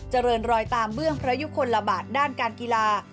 รอยตามเบื้องพระยุคลบาทด้านการกีฬา